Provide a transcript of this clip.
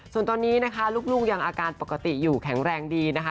ส่วนตอนนี้นะคะลูกยังอาการปกติอยู่แข็งแรงดีนะคะ